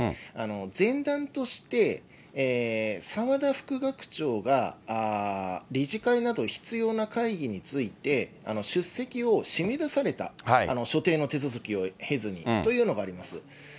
前段として澤田副学長が理事会など必要な会議について、出席を締め出された、所定の手続きを経ずに、というのがあります。